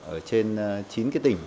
ở trên chín cái tỉnh